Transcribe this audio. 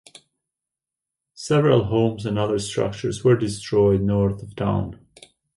Several homes and other structures were destroyed north of town.